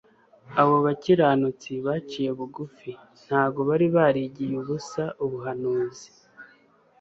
Abo bakiranutsi baciye bugufi ntabwo bari barigiye ubusa ubuhanuzi.